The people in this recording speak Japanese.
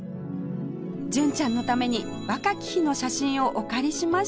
純ちゃんのために若き日の写真をお借りしました